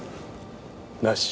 なし。